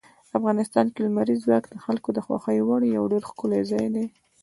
افغانستان کې لمریز ځواک د خلکو د خوښې وړ یو ډېر ښکلی ځای دی.